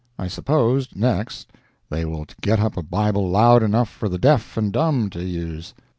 I suppose, next, they will get up a Bible loud enough for the deaf and dumb to use.